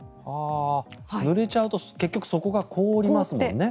ぬれちゃうと結局そこが凍りますもんね。